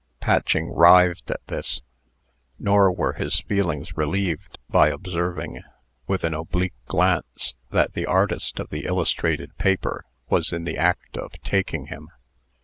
Patching writhed at this. Nor were his feelings relieved by observing, with an oblique glance, that the artist of the illustrated paper was in the act of taking him.